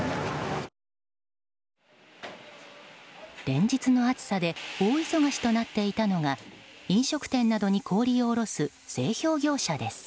連日の暑さで大忙しとなっていたのが飲食店などに氷を卸す製氷業者です。